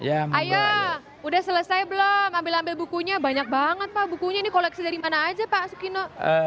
ayah udah selesai belum ambil ambil bukunya banyak banget pak bukunya ini koleksi dari mana aja pak sukino